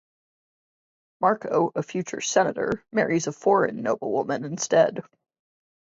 Marco, a future Senator, marries a foreign noblewoman instead.